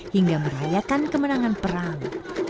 hingga merayakan kemenangan perang